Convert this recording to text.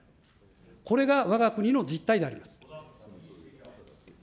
これがわが国の実態であります。